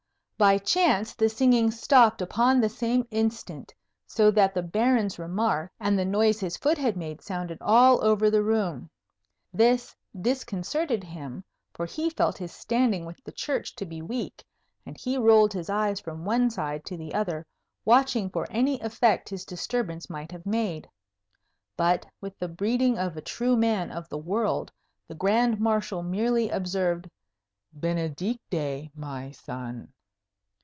By chance the singing stopped upon the same instant, so that the Baron's remark and the noise his foot had made sounded all over the room. This disconcerted him; for he felt his standing with the Church to be weak, and he rolled his eyes from one side to the other, watching for any effect his disturbance might have made. But, with the breeding of a true man of the world, the Grand Marshal merely observed, "Benedicite, my son!"